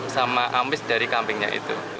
sama ambis dari kambingnya itu